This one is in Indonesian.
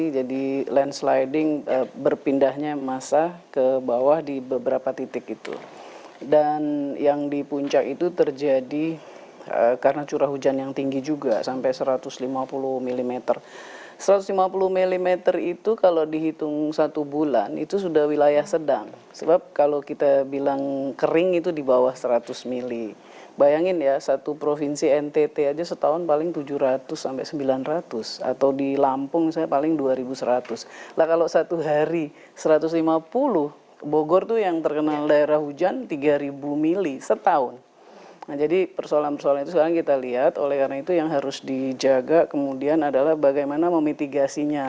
jadi dia juga dikepung juga sebetulnya oleh potensi runoff air yang masuk ke kota jakarta